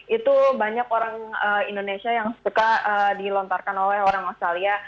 itu banyak orang indonesia yang suka dilontarkan oleh orang australia